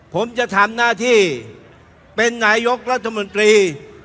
ผมจะทำหน้าที่เป็นนายกรัฐมนตรี